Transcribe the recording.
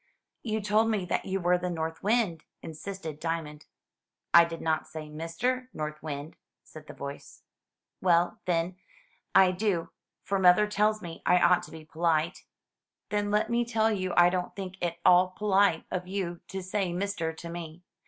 "You told me that you were the North Wind," insisted Dia mond. "I did not say Mister North Wind," said the voice. "Well, then, I do; for mother tells me I ought to be polite." "Then let me tell you I don't think it at all polite of you to say Mister to me.